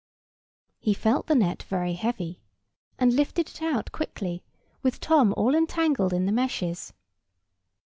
He felt the net very heavy; and lifted it out quickly, with Tom all entangled in the meshes.